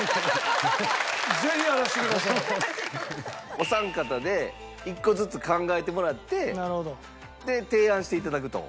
お三方で１個ずつ考えてもらってで提案して頂くと。